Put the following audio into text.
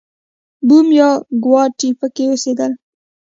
بوم یا ګواټي پکې اوسېدل.